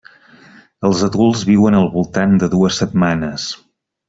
Els adults viuen al voltant de dues setmanes.